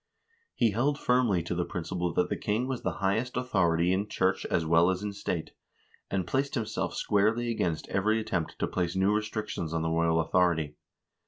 He held firmly to the principle that the king was the highest authority in church as well as in state, and placed him self squarely against every attempt to place new restrictions on the royal authority.